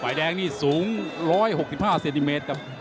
แดงนี่สูง๑๖๕เซนติเมตรครับ